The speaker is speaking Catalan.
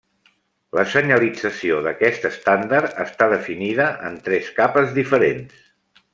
La senyalització d'aquest estàndard està definida en tres capes diferents.